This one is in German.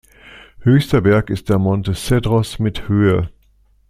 Höchster Berg ist der Monte Cedros mit Höhe.